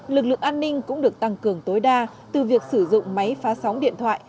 lực lượng an ninh cũng được tăng cường tối đa từ việc sử dụng máy phá sóng điện thoại